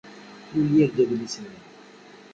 Yewwi-yak-d adlis-nni.